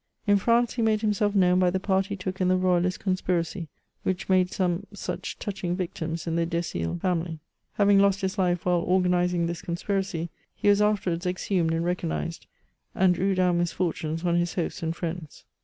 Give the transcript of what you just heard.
In France he made him self known by the part he took in the royalist conspiracy, which made some such touching victims in the D^siiles family. Having lost his life while organising this conspiracy, he was afterwards exhumed and recognised, and drew down misfortunes on his hosts and friends.